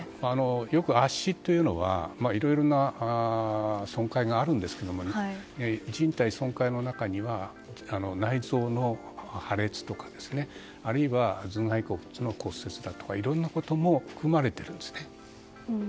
よく圧死というのはいろいろな損壊があるんですが人体損壊の中には内臓の破裂とか、あるいは頭蓋骨の骨折だとかいろいろなことも含まれているんです。